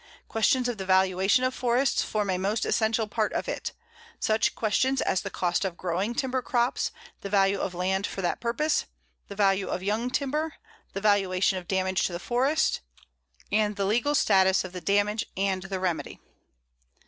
Questions of the valuation of forests form a most essential part of it, such questions as the cost of growing timber crops, the value of land for that purpose, the value of young timber, the valuation of damage to the forest, and the legal status of the damage and the remedy.